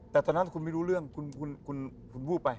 แต่ตอนนั้นคุณไม่รู้เรื่องคุณพูดไป